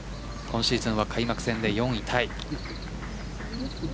今シーズンは開幕戦で４位タイ。